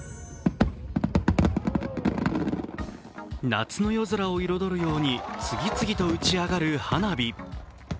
夏の夜空を彩るように次々と打ち上がる花火。